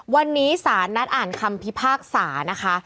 วันนี้สารนัดอ่านคำพิพากษานะคะ